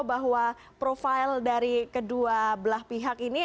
bahwa profil dari kedua belah pihak ini